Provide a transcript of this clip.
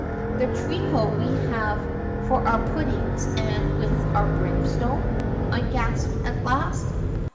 "The treacle we have for our puddings and with our brimstone?" I gasped at last.